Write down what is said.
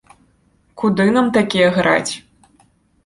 Куды нам такія граць.